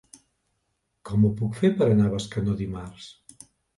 Com ho puc fer per anar a Bescanó dimarts?